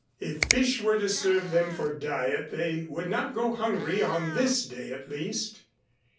If fish were to serve them for diet, they would not go hungry on this day at least.